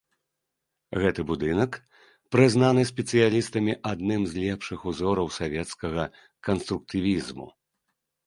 Гэты будынак прызнаны спецыялістамі адным з лепшых узораў савецкага канструктывізму.